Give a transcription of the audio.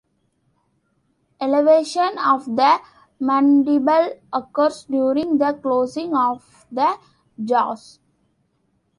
Elevation of the mandible occurs during the closing of the jaws.